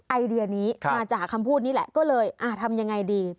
ไอเดียนี้มาจากคำพูดนี้แหละก็เลยทำยังไงดี